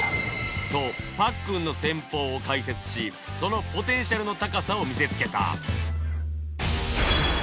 とパックンの戦法を解説しそのポテンシャルの高さを見せつけた